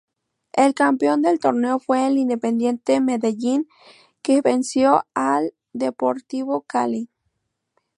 El campeón del torneo fue el Independiente Medellín que venció al Deportivo Cali.